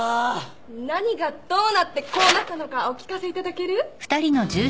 何がどうなってこうなったのかお聞かせいただける？